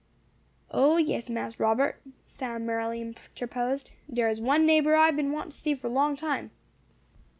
"O, yes, Mas Robbut," Sam merrily interposed. "Dere is one neighbour I been want to see for long time.